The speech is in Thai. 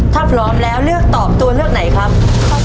ถ้าพร้อมแล้วเลือกตอบตัวเลือกไหนครับ